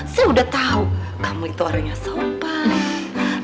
saya udah tau kamu itu orang yang sopan